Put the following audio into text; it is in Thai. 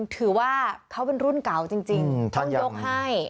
ถือว่าเขาเป็นรุ่นเก่าจริงท่านยกให้